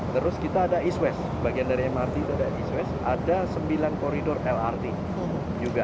terus kita ada east west bagian dari mrt itu ada east west ada sembilan koridor lrt juga